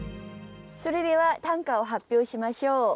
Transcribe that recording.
それでは短歌を発表しましょう。